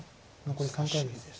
残り３回です。